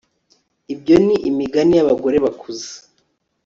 ibyo ni imigani y'abagore bakuze